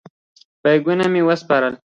بیکونه مې وسپارم.